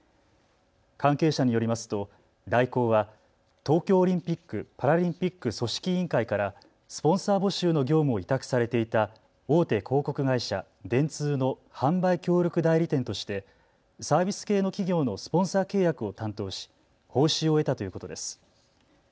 関係者によりますと大広は東京オリンピック・パラリンピック組織委員会からスポンサー募集の業務を委託されていた大手広告会社、電通の販売協力代理店としてサービス系の企業のスポンサー契約を担当し報酬を得たということです。